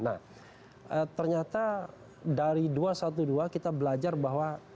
nah ternyata dari dua ratus dua belas kita belajar bahwa